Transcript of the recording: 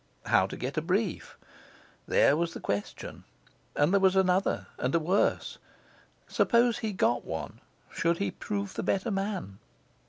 How to get a brief? there was the question. And there was another and a worse. Suppose he got one, should he prove the better man?